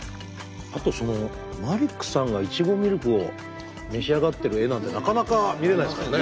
あとマリックさんがいちごミルクを召し上がってる画なんてなかなか見れないですもんね。